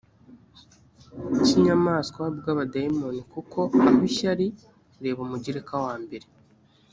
kinyamaswa bw abadayimoni kuko aho ishyari reba umugereka wa mbere